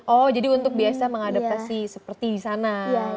oh jadi untuk biasa mengadaptasi seperti di sana